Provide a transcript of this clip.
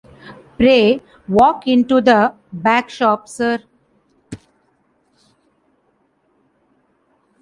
Pray walk into the back shop, sir.